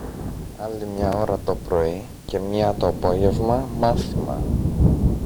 Άλλη μια ώρα το πρωί και μια το απόγεμα, μάθημα.